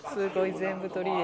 全部取り入れてる。